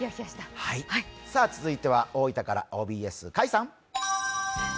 続いては大分からＯＢＳ、甲斐さん。